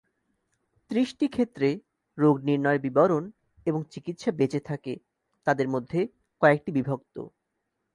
ত্রিশটি ক্ষেত্রে রোগ নির্ণয়ের বিবরণ এবং চিকিৎসা বেঁচে থাকে, তাদের মধ্যে কয়েকটি বিভক্ত।